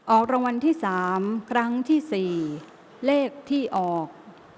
ออกรางวัลที่๓ครั้งที่๔เลขที่ออก